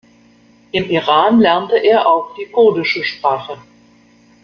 Im Iran lernte er auch die kurdische Sprache.